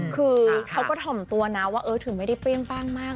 คือเขาก็ถ่อมตัวนะว่าเออถึงไม่ได้เปรี้ยงป้างมาก